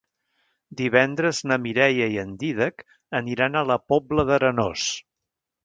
Divendres na Mireia i en Dídac aniran a la Pobla d'Arenós.